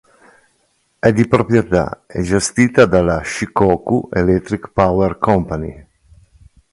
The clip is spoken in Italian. È di proprietà e gestita dalla Shikoku Electric Power Company.